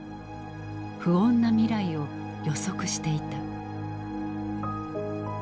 不穏な未来を予測していた。